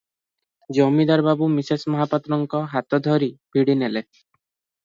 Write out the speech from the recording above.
ଜମିଦାର ବାବୁ ମିସେସ୍ ମହାପାତ୍ରଙ୍କ ହାତ ଧରି ଭିଡ଼ି ନେଲେ ।